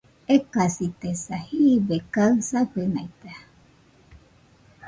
Ekasitesa, jibe kaɨ safenaita